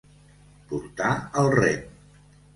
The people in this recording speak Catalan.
Portar el rem.